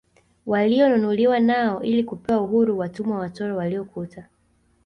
Walionunuliwa nao ili kupewa uhuru watumwa watoro waliokuta